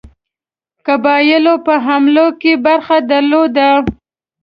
قبایلو په حملو کې برخه درلوده.